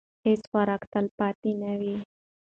هیڅ خوراک تلپاتې نه وي.